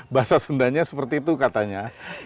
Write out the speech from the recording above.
bahasa sundanya seperti itu katanya